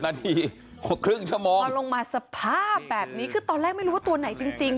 แล้วครึ่งช้าโมงค่ะมาลงมาสภาพแบบนี้คือตอนแรกไม่รู้ว่าตัวไหนจริง